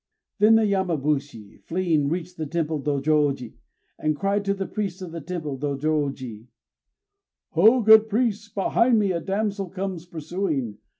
_ Then the Yamabushi, fleeing, reached the temple Dôjôji, and cried to the priests of the temple Dôjôji: "O good priests, behind me a damsel comes pursuing!